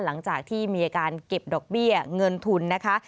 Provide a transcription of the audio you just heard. หลังจากที่มีอาการเก็บดอกเบี้ยเงินทุนนะคะ